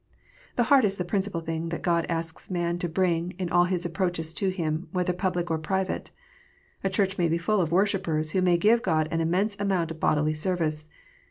The heart is the principal thing that God asks man to bring in all his approaches to Him, whether public or private. A church may be full of Worshippers who may give God an immense amount of bodily service.